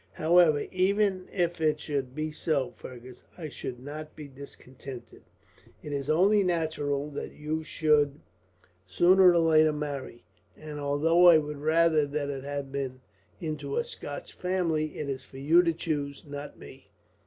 "However, even if it should be so, Fergus, I should not be discontented. It is only natural that you should sooner or later marry; and although I would rather that it had been into a Scotch family, it is for you to choose, not me.